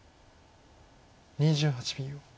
２８秒。